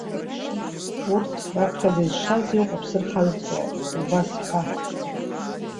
Урҭ раԥхьаӡа изшаз иоуп аԥсы рхазҵо,- убас ҳәа.